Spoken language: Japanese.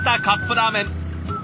カップラーメン。